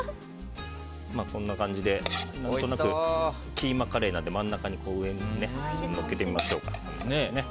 こんな感じで、何となくキーマカレーなので真ん中にのっけてみましょうか。